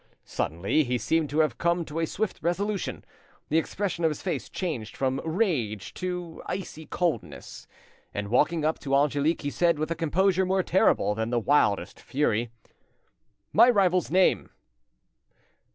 Suddenly he seemed to have come to a swift resolution: the expression of his face changed from rage to icy coldness, and walking up to Angelique, he said, with a composure more terrible than the wildest fury— "My rival's name?"